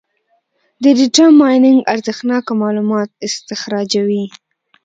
د ډیټا مایننګ ارزښتناکه معلومات استخراجوي.